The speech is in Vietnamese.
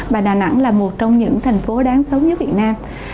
và đà nẵng là một trong những thành phố đáng sống nhất việt nam